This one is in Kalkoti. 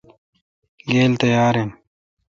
گیل تیاراین آ؟